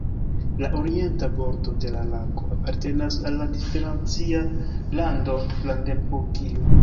La orienta bordo de la lago apartenas al la federacia lando Brandenburgio.